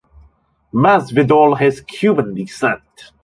Masvidal has Cuban descent.